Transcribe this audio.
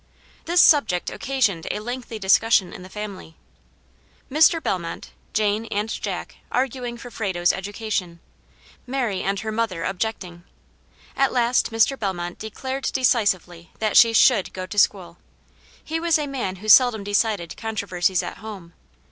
This subject occasioned a lengthy discussion in the family. Mr. Bellmont, Jane and Jack arguing for Frado's education; Mary and her mother objecting. At last Mr. Bellmont declared decisively that she SHOULD go to school. He was a man who seldom decided controversies at home.